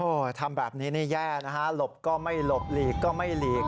ทำแบบนี้นี่แย่นะฮะหลบก็ไม่หลบหลีกก็ไม่หลีก